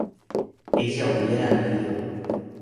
ella hubiera vivido